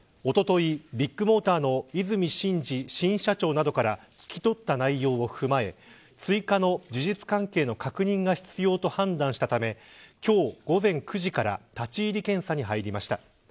おととい、ビッグモーターの和泉伸二新社長などから聞き取った内容を踏まえ追加の事実関係の確認が必要と判断したため今日午前９時から立ち入り検査に入りました。